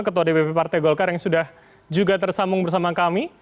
ketua dpp partai golkar yang sudah juga tersambung bersama kami